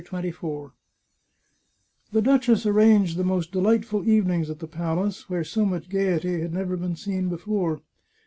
CHAPTER XXIV The duchess arranged the most delightful evenings at the palace, where so much gaiety had never been seen before.